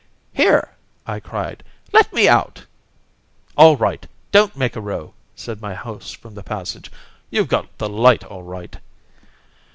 "Here!" I cried. "Let me out!" "All right! Don't make a row!" said my host from the passage. "You've got the light all right."